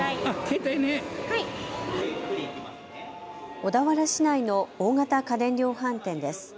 小田原市内の大型家電量販店です。